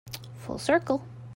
Full circle